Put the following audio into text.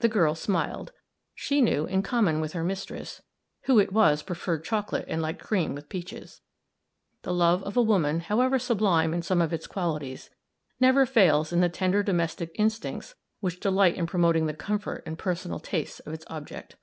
The girl smiled; she knew, in common with her mistress, who it was preferred chocolate and liked cream with peaches; the love of a woman, however sublime in some of its qualities, never fails in the tender domestic instincts which delight in promoting the comfort and personal tastes of its object.